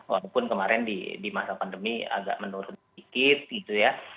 walaupun kemarin di masa pandemi agak menurun sedikit gitu ya